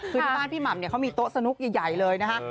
คือที่บ้านพี่หม่ำเนี่ยเขามีโต๊ะสนุกใหญ่เลยนะฮะ